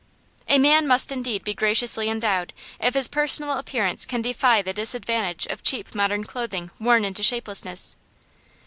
A man must indeed be graciously endowed if his personal appearance can defy the disadvantage of cheap modern clothing worn into shapelessness.